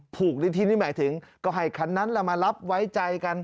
ผูกที่นี่หมายถึงให้ฟันนั้นแหละมารับไว้ใจกัน